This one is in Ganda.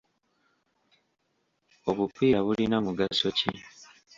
Obupiira bulina mugaso ki?